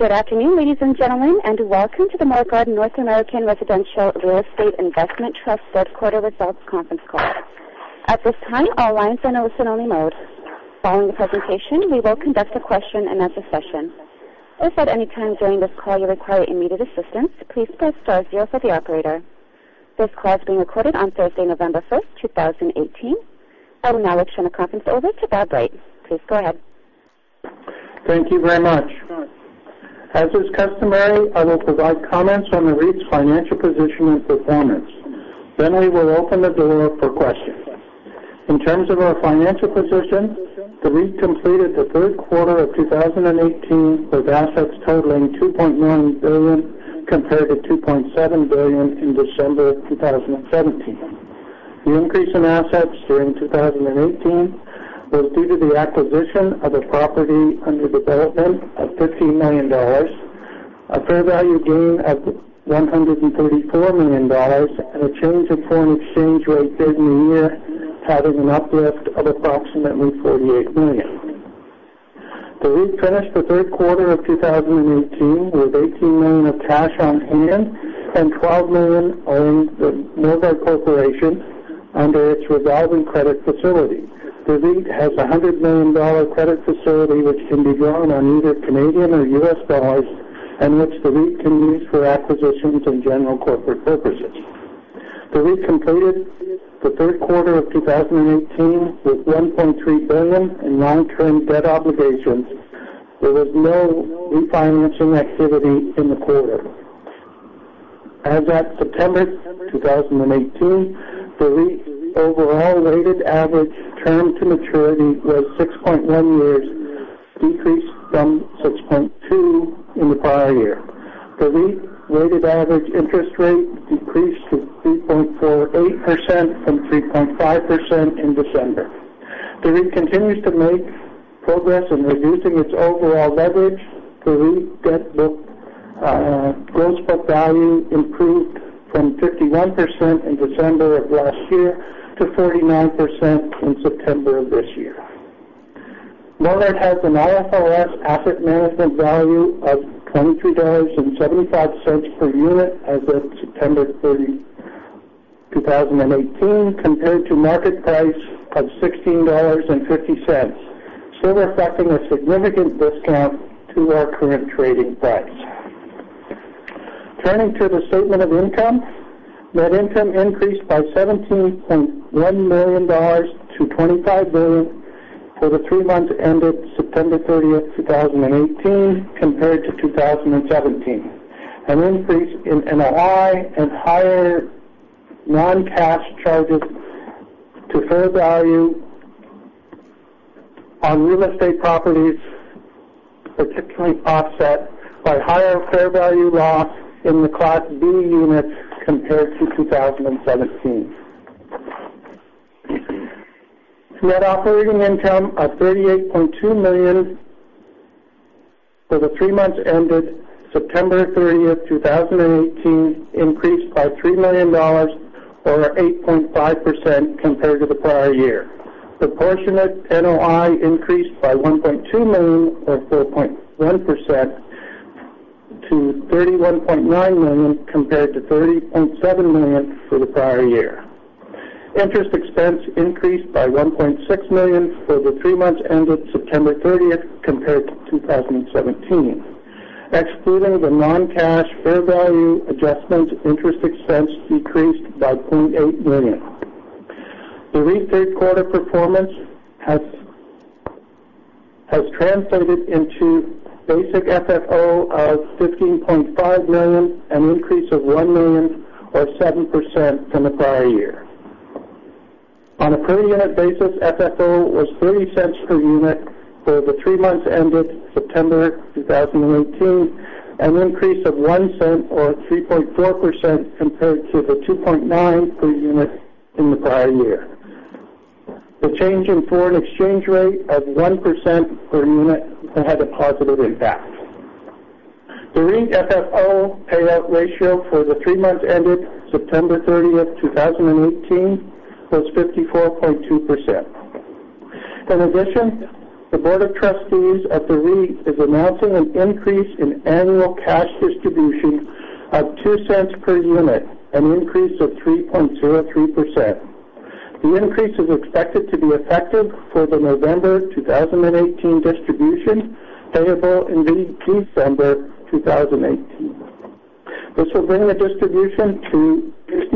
Good afternoon, ladies and gentlemen, welcome to the Morguard North American Residential Real Estate Investment Trust third quarter results conference call. At this time, all lines are in listen-only mode. Following the presentation, we will conduct a question-and-answer session. If at any time during this call you require immediate assistance, please press star zero for the operator. This call is being recorded on Thursday, November 1st, 2018. I would now turn the conference over to Robert Wright. Please go ahead. Thank you very much. As is customary, I will provide comments on the REIT's financial position and performance. We will open the floor for questions. In terms of our financial position, the REIT completed the third quarter of 2018 with assets totaling 2.9 billion, compared to 2.7 billion in December of 2017. The increase in assets during 2018 was due to the acquisition of a property under development of 15 million dollars, a fair value gain of 134 million dollars, and a change of foreign exchange rate year-on-year having an uplift of approximately 48 million. The REIT finished the third quarter of 2018 with 18 million of cash on hand and 12 million owed to Morguard Corporation under its revolving credit facility. The REIT has a CAD 100 million credit facility which can be drawn on either Canadian or U.S. dollars and which the REIT can use for acquisitions and general corporate purposes. The REIT completed the third quarter of 2018 with CAD 1.3 billion in long-term debt obligations. There was no refinancing activity in the quarter. As at September 2018, the REIT overall weighted average term to maturity was 6.1 years, decreased from 6.2 in the prior year. The REIT weighted average interest rate decreased to 3.48% from 3.5% in December. The REIT continues to make progress in reducing its overall leverage. The REIT gross book value improved from 51% in December of last year to 49% in September of this year. Morguard has an IFRS asset management value of 23.75 dollars per unit as of September 30, 2018, compared to market price of 16.50 dollars, still reflecting a significant discount to our current trading price. Turning to the statement of income, net income increased by 17.1 million-25 million dollars for the three months ended September 30th, 2018, compared to 2017. An increase in NOI and higher non-cash charges to fair value on real estate properties, particularly offset by higher fair value loss in the Class B LP Units compared to 2017. Net operating income of 38.2 million for the three months ended September 30th, 2018, increased by CAD 3 million, or 8.5%, compared to the prior year. Proportionate NOI increased by 1.2 million, or 4.1%, to 31.9 million, compared to 30.7 million for the prior year. Interest expense increased by 1.6 million for the three months ended September 30th compared to 2017. Excluding the non-cash fair value adjustments, interest expense decreased by 0.8 million. The REIT's third quarter performance has translated into basic FFO of 15.5 million, an increase of 1 million, or 7%, from the prior year. On a per unit basis, FFO was 0.30 per unit for the three months ended September 2018, an increase of 0.01 or 3.4% compared to 0.29 per unit in the prior year. The change in foreign exchange rate of 1% per unit had a positive impact. The REIT FFO payout ratio for the three months ended September 30th, 2018, was 54.2%. In addition, the Board of Trustees of the REIT is announcing an increase in annual cash distribution of 0.02 per unit, an increase of 3.03%. The increase is expected to be effective for the November 2018 distribution, payable in December 2018. This will bring the distribution to CAD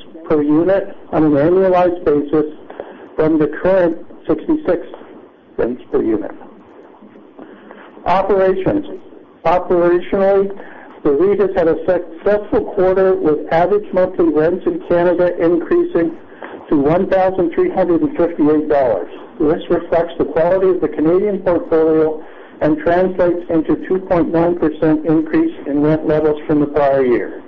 0.68 per unit on an annualized basis from the current 0.66 per unit. Operations. Operationally, the REIT has had a successful quarter with average monthly rents in Canada increasing to 1,358 dollars. This reflects the quality of the Canadian portfolio and translates into 2.9% increase in rent levels from the prior year.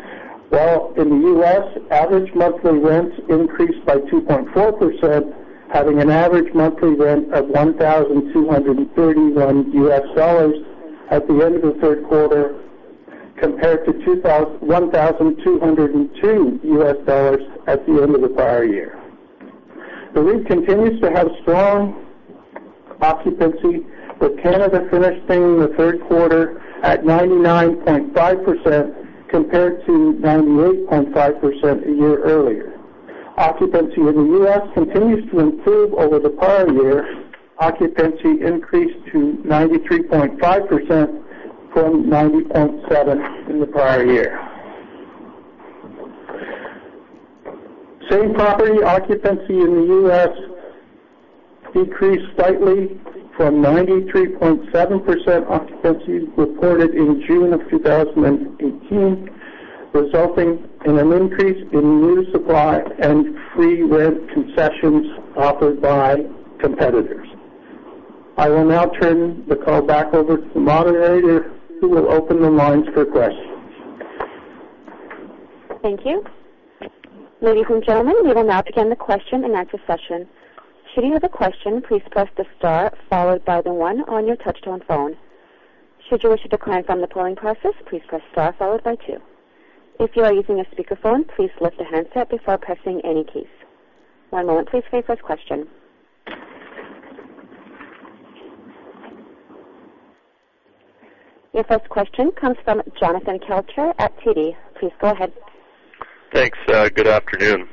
While in the U.S., average monthly rents increased by 2.4%, having an average monthly rent of 1,231 US dollars at the end of the third quarter, compared to 1,202 US dollars at the end of the prior year. The REIT continues to have strong occupancy, with Canada finishing the third quarter at 99.5% compared to 98.5% a year earlier. Occupancy in the U.S. continues to improve over the prior year. Occupancy increased to 93.5% from 90.7% in the prior year. Same property occupancy in the U.S. decreased slightly from 93.7% occupancy reported in June of 2018, resulting in an increase in new supply and free rent concessions offered by competitors. I will now turn the call back over to the moderator who will open the lines for questions. Thank you. Ladies and gentlemen, we will now begin the question-and-answer session. Should you have a question, please press the star followed by the one on your touch-tone phone. Should you wish to decline from the polling process, please press star followed by two. If you are using a speakerphone, please lift the handset before pressing any key. One moment please for the first question. Your first question comes from Jonathan Kelcher at TD. Please go ahead. Thanks. Good afternoon.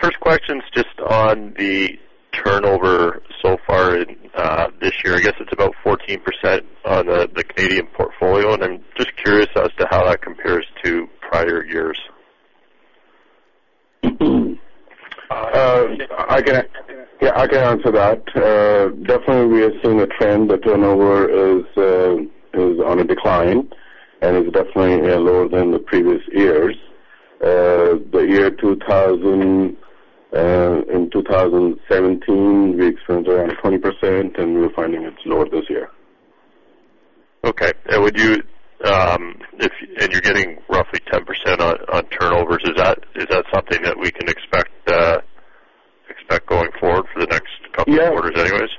First question's just on the turnover so far this year. I guess it's about 14% on the Canadian portfolio, I'm just curious as to how that compares to prior years. Yeah, I can answer that. Definitely, we are seeing a trend. The turnover is on a decline and is definitely lower than the previous years. In 2017, we experienced around 20%, and we're finding it's lower this year. Okay. You're getting roughly 10% on turnovers. Is that something that we can expect going forward for the next couple of quarters anyways?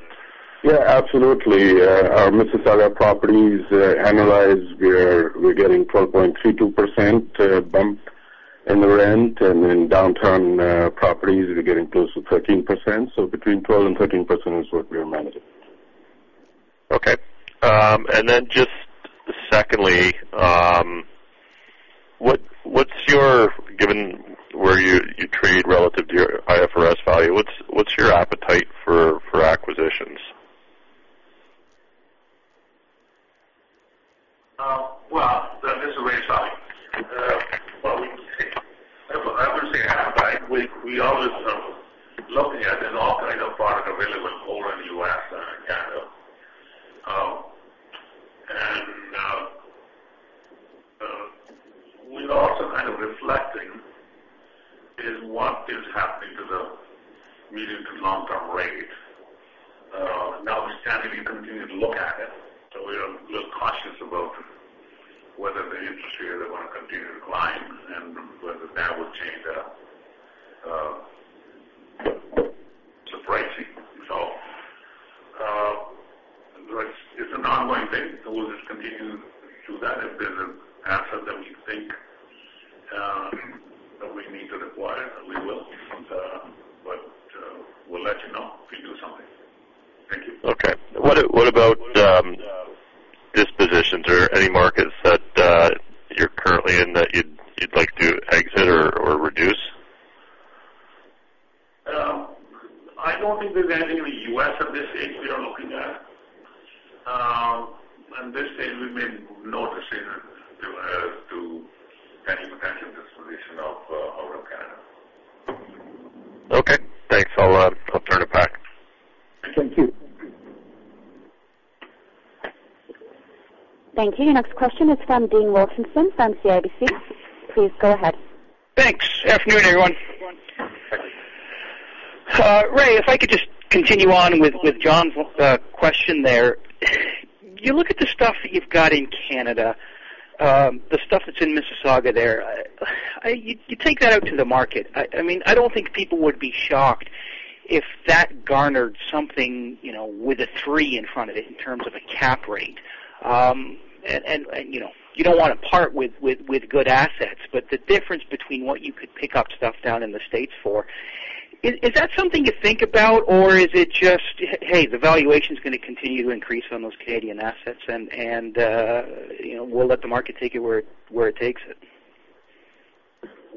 Yeah, absolutely. Our Mississauga properties annualized, we're getting 12.32% bump in the rent, and in downtown properties, we're getting close to 13%. Between 12% and 13% is what we are managing. Okay. Then just secondly, given where you trade relative to your IFRS value, what's your appetite for acquisitions? Well, that is a great question. I wouldn't say appetite. We always are looking at all kinds of product available both in the U.S. and Canada. We're also kind of reflecting on what is happening to the medium- to long-term rate. Now we're starting to continue to look at it, we are a little cautious about whether the interest here they want to continue to climb and whether that would change the pricing. It's an ongoing thing. We'll just continue to do that. If there's an asset that we think that we need to acquire, we will. We'll let you know if we do something. Thank you. Okay. What about dispositions or any markets that you're currently in that you'd like to exit or reduce? I don't think there's anything in the U.S. at this stage we are looking at. At this stage, we've made no decision to any potential disposition out of Canada. Okay, thanks. I'll turn it back. Thank you. Thank you. Your next question is from Dean Wilkinson from CIBC. Please go ahead. Thanks. Afternoon, everyone. Afternoon. Rai, if I could just continue on with John's question there. You look at the stuff that you've got in Canada, the stuff that's in Mississauga there. You take that out to the market. I don't think people would be shocked if that garnered something with a 3 in front of it in terms of a cap rate. You don't want to part with good assets, but the difference between what you could pick up stuff down in the U.S. for, is that something you think about? Or is it just, hey, the valuation's going to continue to increase on those Canadian assets, and we'll let the market take it where it takes it?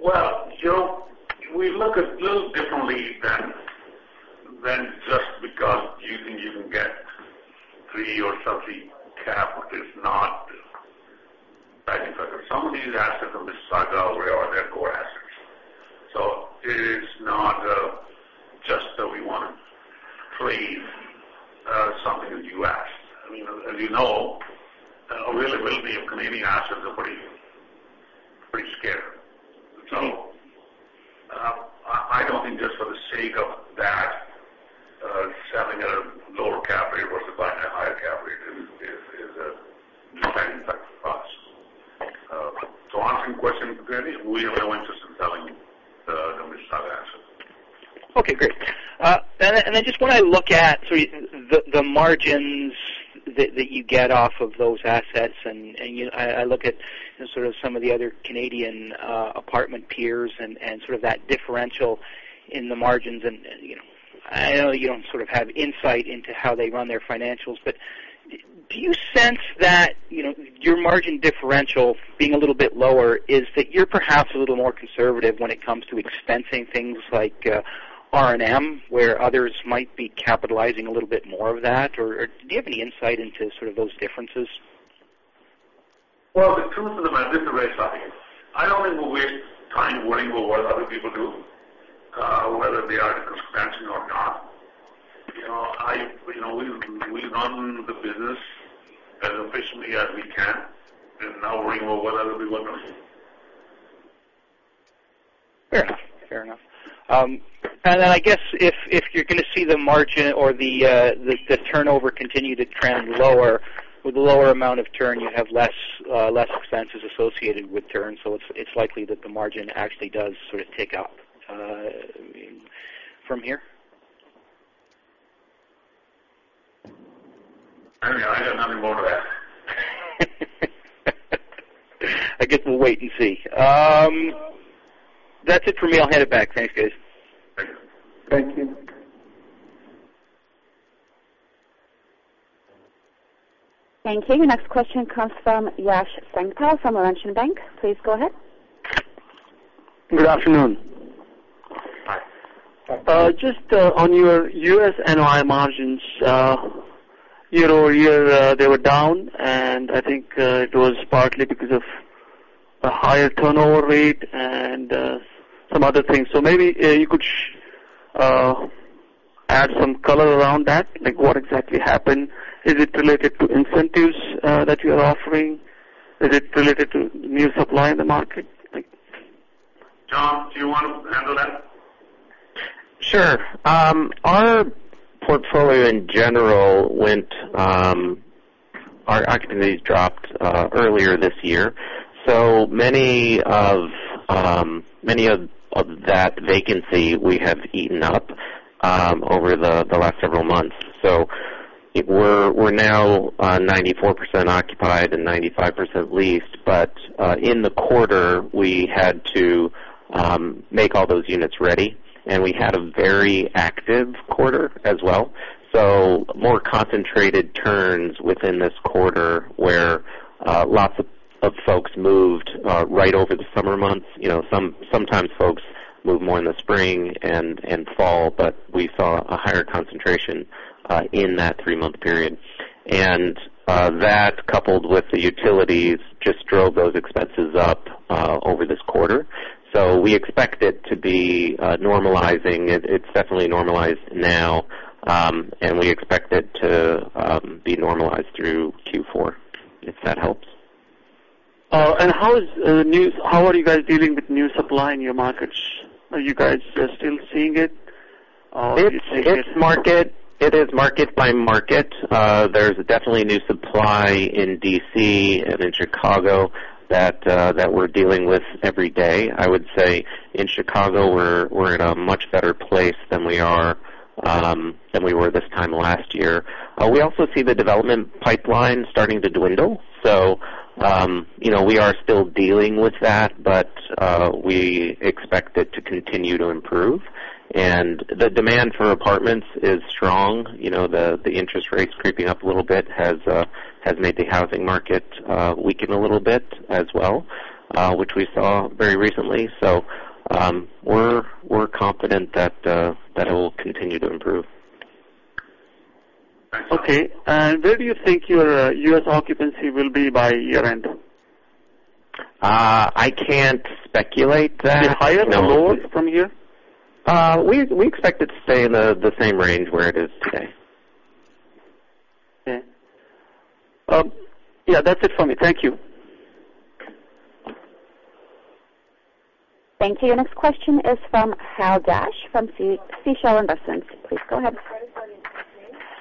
Well, we look a little differently than just because you think you can get 3 or something cap, which is not bad. Because some of these assets in Mississauga, they're core assets. It is not just that we want to trade something in the U.S. As you know, a real limit of Canadian assets are pretty scarce. I don't think just for the sake of that, selling at a lower cap rate versus buying at a higher cap rate is a benefit for us. Answering your question directly, we have no interest in selling the Mississauga asset. Okay, great. I just want to look at the margins that you get off of those assets, and I look at some of the other Canadian apartment peers and that differential in the margins. I know you don't have insight into how they run their financials, but do you sense that your margin differential being a little bit lower is that you're perhaps a little more conservative when it comes to expensing things like R&M, where others might be capitalizing a little bit more of that? Do you have any insight into those differences? Well, the truth of the matter, this is Rai Sahi. I don't even waste time worrying about what other people do, whether they are expensing or not. We run the business as efficiently as we can, not worrying about what other people are doing. Fair enough. I guess if you're going to see the margin or the turnover continue to trend lower, with lower amount of turn you have less expenses associated with turns. It's likely that the margin actually does sort of tick up from here. I don't know. I don't have a ball to that. I guess we'll wait and see. That's it for me. I'll hand it back. Thanks, guys. Thank you. Thank you. Your next question comes from Yash Sankhala from Renaissance Capital. Please go ahead. Good afternoon. Hi. Just on your U.S. NOI margins. Year-over-year, they were down, and I think it was partly because of the higher turnover rate and some other things. Maybe you could add some color around that, like what exactly happened. Is it related to incentives that you are offering? Is it related to new supply in the market? John, do you want to handle that? Sure. Our activities dropped earlier this year. Much of that vacancy we have eaten up over the last several months. We're now 94% occupied and 95% leased. In the quarter, we had to make all those units ready, and we had a very active quarter as well. More concentrated turns within this quarter, where lots of folks moved right over the summer months. Sometimes folks move more in the spring and fall, but we saw a higher concentration in that three-month period. That, coupled with the utilities, just drove those expenses up over this quarter. We expect it to be normalizing. It's definitely normalized now, and we expect it to be normalized through Q4, if that helps. How are you guys dealing with new supply in your markets? Are you guys still seeing it? It is market by market. There's definitely new supply in D.C. and in Chicago that we're dealing with every day. I would say in Chicago, we're in a much better place than we were this time last year. We also see the development pipeline starting to dwindle. We are still dealing with that, but we expect it to continue to improve, and the demand for apartments is strong. The interest rates creeping up a little bit has made the housing market weaken a little bit as well, which we saw very recently. We're confident that it will continue to improve. Okay. Where do you think your U.S. occupancy will be by year-end? I can't speculate that. Higher or lower from here? We expect it to stay in the same range where it is today. Okay. Yeah, that's it for me. Thank you. Thank you. Your next question is from Howard Dash from D.S. Chaumont. Please go ahead.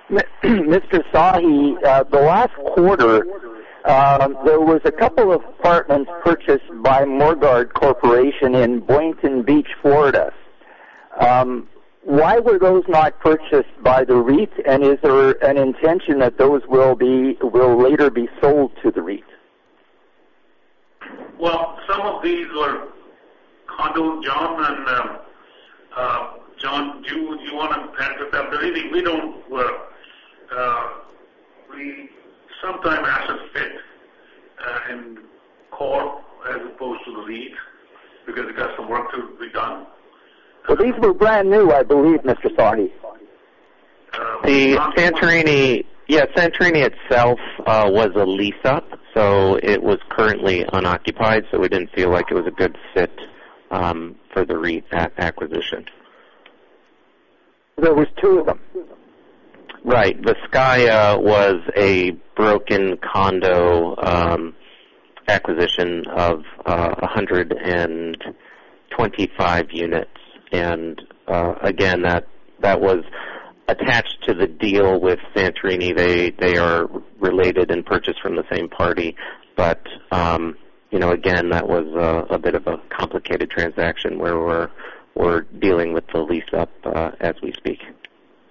Mr. Sahi, the last quarter, there was a couple of apartments purchased by Morguard Corporation in Boynton Beach, Florida. Why were those not purchased by the REIT, and is there an intention that those will later be sold to the REIT? Well, some of these are condos. John, do you want to add to that? Really, sometimes assets fit in corp as opposed to the REIT because they got some work to be done. These were brand new, I believe, Mr. Sahi. The Santorini itself was a lease-up, so it was currently unoccupied, so we didn't feel like it was a good fit for the REIT acquisition. There was two of them. Right. The Skye was a broken condo acquisition of 125 units. Again, that was attached to the deal with Santorini. They are related and purchased from the same party. Again, that was a bit of a complicated transaction where we're dealing with the lease-up as we speak.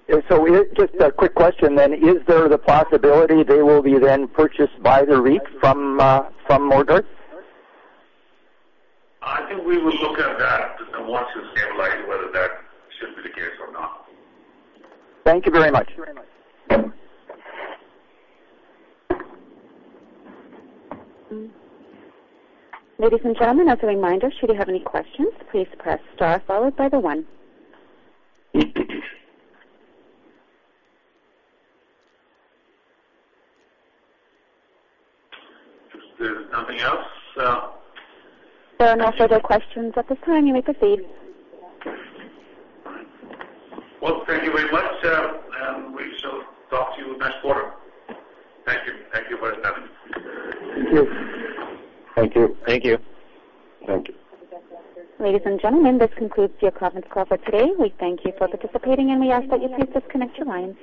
Just a quick question then. Is there the possibility they will be then purchased by the REIT from Morguard? I think we will look at that once it stabilizes, whether that should be the case or not. Thank you very much. Ladies and gentlemen, as a reminder, should you have any questions, please press star followed by the one. If there's nothing else. There are no further questions at this time. You may proceed. All right. Well, thank you very much. We shall talk to you next quarter. Thank you. Thank you for attending. Thank you. Thank you. Thank you. Thank you. Ladies and gentlemen, this concludes your conference call for today. We thank you for participating, and we ask that you please disconnect your lines.